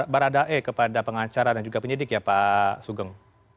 baradae kepada pengacara dan juga penyidik ya pak sugeng